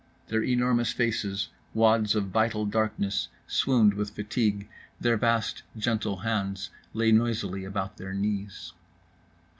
Their enormous faces, wads of vital darkness, swooned with fatigue. Their vast gentle hands lay noisily about their knees.